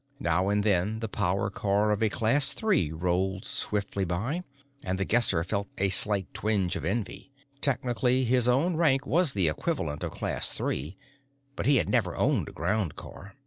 Now and then, the power car of a Class Three rolled swiftly by, and The Guesser felt a slight twinge of envy. Technically, his own rank was the equivalent of Class Three, but he had never owned a groundcar.